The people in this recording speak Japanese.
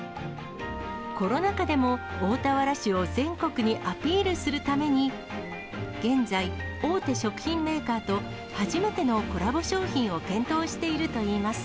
コロナ禍でも大田原市を全国にアピールするために、現在、大手食品メーカーと、初めてのコラボ商品を検討しているといいます。